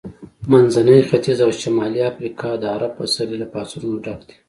منځنی ختیځ او شمالي افریقا د عرب پسرلي له پاڅونونو ډک دي.